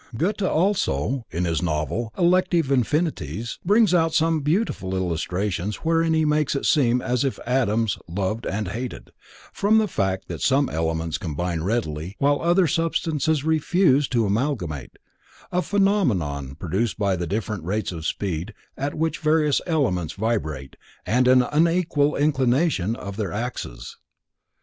Goethe also, in his novel "Elective Affinities," (Wahlverwandtschaft), brings out some beautiful illustrations wherein he makes it seem as if atoms loved and hated, from the fact that some elements combine readily while other substances refuse to amalgamate, a phenomenon produced by the different rates of speed at which various elements vibrate and an unequal inclination of their axes.